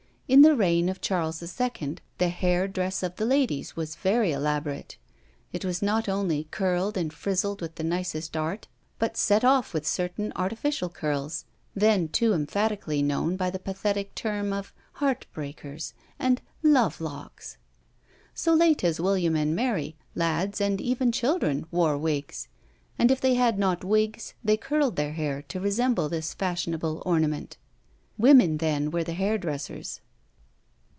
In the reign of Charles II. the hair dress of the ladies was very elaborate; it was not only curled and frizzled with the nicest art, but set off with certain artificial curls, then too emphatically known by the pathetic terms of heart breakers and love locks. So late as William and Mary, lads, and even children, wore wigs; and if they had not wigs, they curled their hair to resemble this fashionable ornament. Women then were the hair dressers.